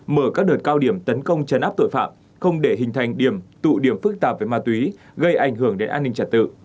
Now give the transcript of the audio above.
mở các đợt cao điểm tấn công chấn áp tội phạm không để hình thành điểm tụ điểm phức tạp về ma túy gây ảnh hưởng đến an ninh trật tự